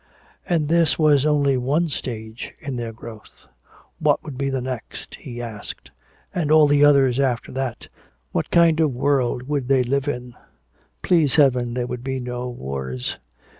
And this was only one stage in their growth. What would be the next, he asked, and all the others after that? What kind of world would they live in? Please heaven, there would be no wars.